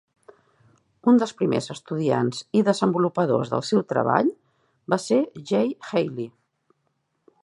Un dels primers estudiants i desenvolupadors del seu treball va ser Jay Haley.